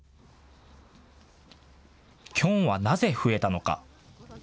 キョンはなぜ増えたのか。